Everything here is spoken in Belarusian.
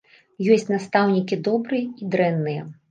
Ёсць настаўнікі добрыя і дрэнныя.